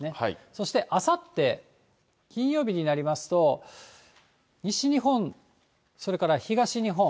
そしてあさって金曜日になりますと、西日本、それから東日本。